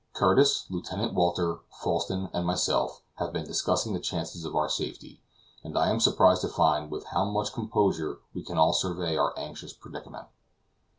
Curtis, Lieutenant Walter, Falsten, and myself have been discussing the chances of our safety, and I am surprised to find with how much composure we can all survey our anxious predicament.